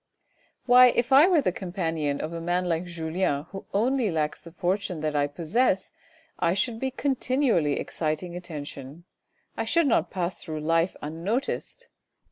" Why, if I were the companion of a man like Julien, who 362 THE RED AND THE BLACK only lacks the fortune that I possess, I should be continually exciting attention, I should not pass through life unnoticed.